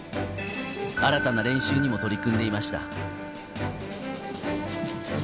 新たな練習にも取り組んでいました。